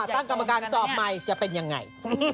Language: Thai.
ตั้งกรรมการสอบใหม่จะเป็นยังไง